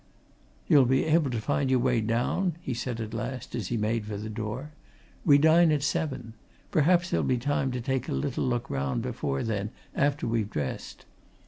"You'll be able to find your way down?" he said at last, as he made for the door. "We dine at seven perhaps there'll be time to take a little look round before then, after we've dressed.